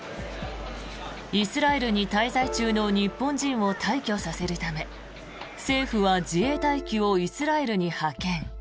イスラエルに滞在中の日本人を退去させるため政府は自衛隊機をイスラエルに派遣。